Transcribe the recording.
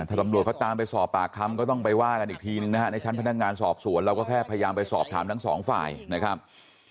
ถ้าตำรวจเขาตามไปสอบปากคำก็ต้องไปว่ากันอีกทีหนึ่งนะฮะในชั้นพนักงานสอบสวนเราก็แค่พยายามไปสอบถามทั้งสองฝ่ายนะครับ